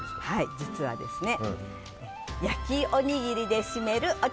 実は、焼きおにぎりでシメるお茶